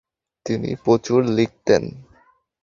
তিনি প্রচুর লিখতেন।